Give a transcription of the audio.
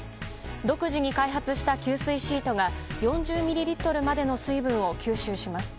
独自に開発した吸水シートが４０ミリリットルまでの水分を吸収します。